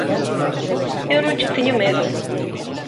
Eu non che teño medo